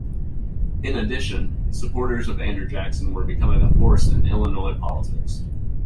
In addition, supporters of Andrew Jackson were becoming a force in Illinois politics.